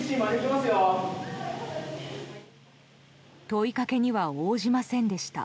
問いかけには応じませんでした。